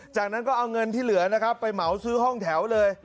จากนั้นก็เอาเงินที่เหลือนะครับไปเหมาซื้อห้องแถวเลย